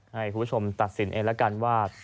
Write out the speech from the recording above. ให้คุณผู้ชมตัดสินเองแล้วกันว่า